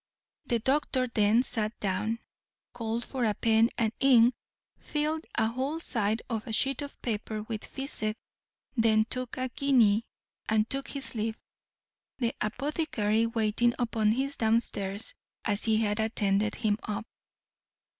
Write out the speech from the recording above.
The doctor then sat down, called for a pen and ink, filled a whole side of a sheet of paper with physic, then took a guinea, and took his leave; the apothecary waiting upon him downstairs, as he had attended him up.